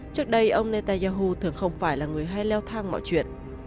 trước đây ông netanyahu thường không phải là người hay leo thang mọi chuyện